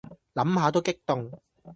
諗下都激動